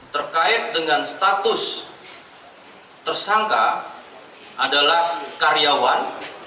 terkait dengan status tersangka adalah karyawan